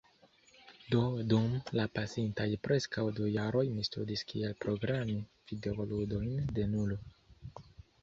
Do dum la pasintaj preskaŭ du jaroj mi studis kiel programi videoludojn de nulo.